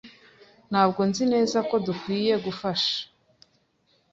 Ntabwo nzi neza ko dukwiye gufasha .